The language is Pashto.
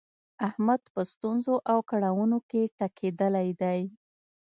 احمد په ستونزو او کړاونو کې ټکېدلی دی.